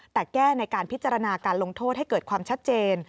แต่แก้ในการพิจารณาการลงโทษให้เกิดความชัดเจน